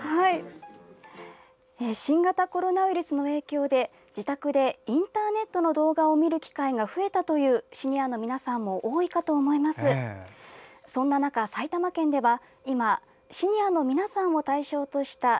新型コロナウイルスの影響で、自宅でインターネットの動画を見る機会が増えたというシニアの皆さんも多いかと思います。